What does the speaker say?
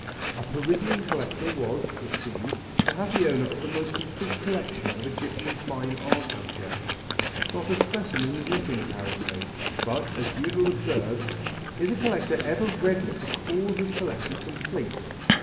A Parisian collector was, it seems, the happy owner of the most complete collection of Egyptian fine art objects. Not a specimen was missing apparently. But, as Eudel observes, "Is a collector ever ready to call his collection complete?"